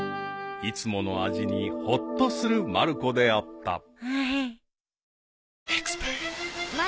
［いつもの味にほっとするまる子であった］